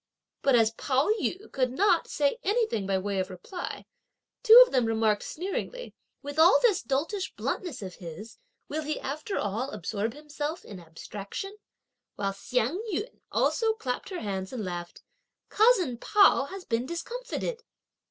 But as Pao yü could not, say anything by way of reply, two of them remarked sneeringly: "With all this doltish bluntness of his will he after all absorb himself in abstraction?" While Hsiang yün also clapped her hands and laughed, "Cousin Pao has been discomfited."